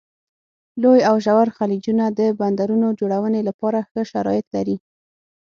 لوی او ژور خلیجونه د بندرونو جوړونې لپاره ښه شرایط لري.